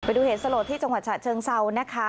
ไปดูเหตุสโลศิษฐ์ที่จังหวัดฉะเชิงเซานะคะ